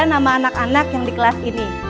nama anak anak yang di kelas ini